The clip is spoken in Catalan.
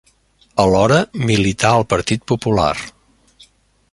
Alhora milità al Partit Popular.